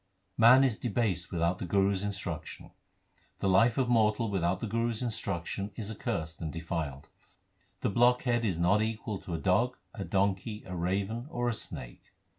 Man is debased without the Guru s instruction : The life of mortal without the Guru s instruction is accursed and defiled. The blockhead is not equal to a dog, a donkey, a raven, or a snake.